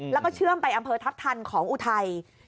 แล้วก็เชื่อมไปอำเภอทัพทันของอุทัย